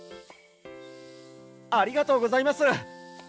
ありがとうございます。